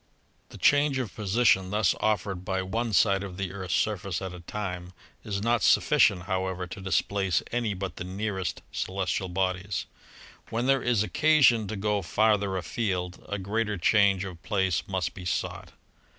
The change of position thus offered by one side of the Earth's surface at a time is not sufficient, how ever, to displace any but the nearest celestial bodies. When there is occasion to go farther afield, a greater change of place must be sought.